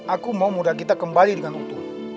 aku mau modal kita kembali dengan utuh